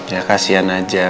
ya kasihan aja